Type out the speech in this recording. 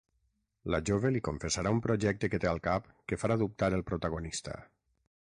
La jove li confessarà un projecte que té al cap que farà dubtar el protagonista.